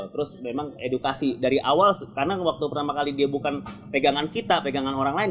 terus memang edukasi dari awal karena waktu pertama kali dia bukan pegangan kita pegangan orang lain